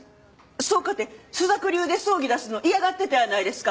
そうかて朱雀流で葬儀出すの嫌がってたやないですか。